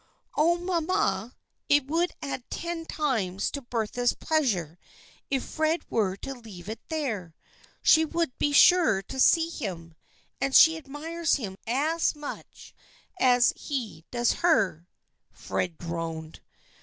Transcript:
" Oh, mamma, it would add ten times to Bertha's pleasure if Fred were to leave it there. She would be sure to see him, and she admires him as much as he does her." Fred groaned.